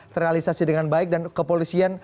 terrealisasi dengan baik dan kepolisian